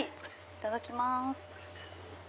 いただきます。